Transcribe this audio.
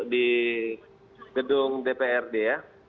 di gedung dprd ya